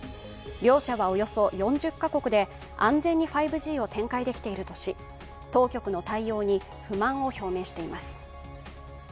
両社はおよそ４０カ国で安全に５Ｇを展開できているとし当局の対応に不満を表明しています。